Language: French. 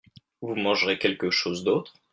Vous mangerez quelque chose d'autre ?